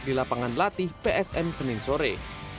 di lapangan latih psm senin sore